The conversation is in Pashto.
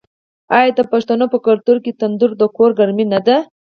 آیا د پښتنو په کلتور کې تندور د کور ګرمي نه ده؟